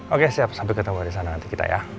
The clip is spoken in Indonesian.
oke siap sampai ketemu di sana nanti kita ya